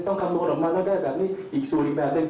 ต้องคำนวณออกมาแล้วได้แบบนี้อีกสูตรอีกแบบนึง